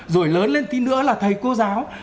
rồi lớn lên tí nữa là thầy cô giáo